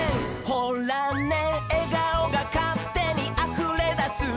「ほらねえがおがかってにあふれだす」